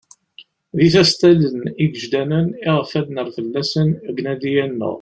D isastalen igejdanen iɣef ad d-nerr fell-asen deg unadi-a-nneɣ.